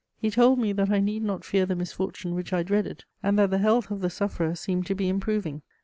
He told me that I need not fear the misfortune which I dreaded, and that the health of the sufferer seemed to be improving.